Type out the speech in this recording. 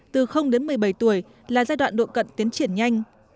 từ đến một mươi bảy tuổi là giai đoạn độ cận tiến triển nhanh